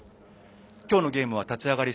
今日のゲームは立ち上がり